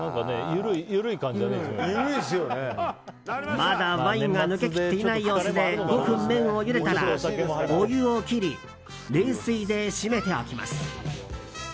まだワインが抜けきっていない様子で５分、麺をゆでたらお湯を切り冷水で締めておきます。